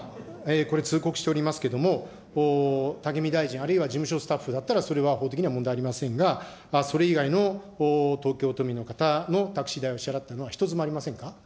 これ、通告しておりますけれども、武見大臣、あるいは事務所スタッフだったら、それは法的には問題ありませんが、それ以外の東京都民の方のタクシー代を支払ったのは一つもありま